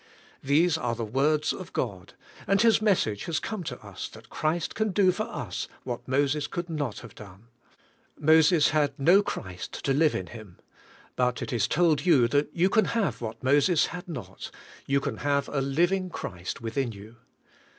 These are the words of God, and His message has come to us that Christ can do for us what Moses could not have done. Moses had no Christ to live in him. But it is told you that you can have what Moses had not; you can have a living Christ within you.